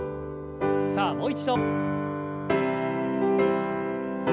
さあもう一度。